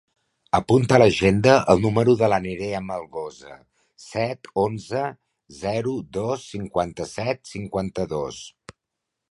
Apunta a l'agenda el número de la Nerea Melgosa: set, onze, zero, dos, cinquanta-set, cinquanta-dos.